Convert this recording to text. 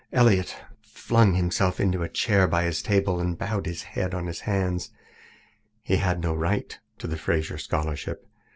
Elliott flung himself into a chair by his table and bowed his head on his hands. He had no right to the Fraser Scholarship.